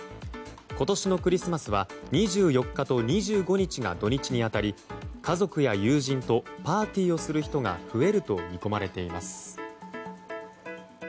今年のクリスマスは２４日と２５日が土日に当たり家族や友人とパーティーをする人が増えると見込まれています。